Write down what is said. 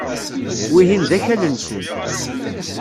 Wihin d akal-nsen.